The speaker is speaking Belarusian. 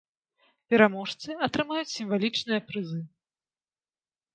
Пераможцы атрымаюць сімвалічныя прызы.